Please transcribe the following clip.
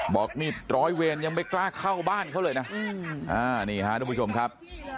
บอกนี่ร้อยเวรยังไม่กล้าเข้าบ้านเขาเลยนะนี่ฮะทุกผู้ชมครับ